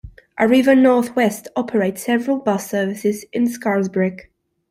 Arriva North West operate several bus services in Scarisbrick.